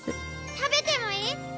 食べてもいい？